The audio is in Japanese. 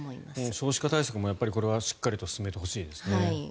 少子化対策もこれはしっかりと進めてほしいですね。